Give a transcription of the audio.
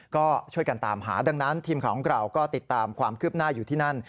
ก็ช่วยกันตามหาดังนั้นทีมข่าวของเราก็ติดตามความคืบหน้าอยู่ที่นั่น